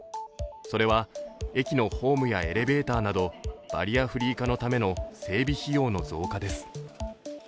それは駅のホームやエレベーターなどバリアフリー化のための整備費用の増加です。